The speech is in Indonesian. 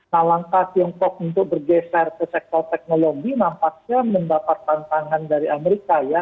nah langkah tiongkok untuk bergeser ke sektor teknologi nampaknya mendapat tantangan dari amerika ya